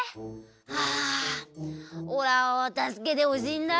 はあおらをたすけてほしいんだ。